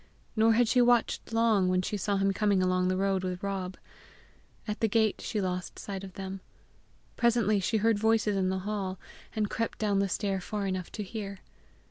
Nor had she watched long when she saw him coming along the road with Rob. At the gate she lost sight of them. Presently she heard voices in the hall, and crept down the stair far enough to hear.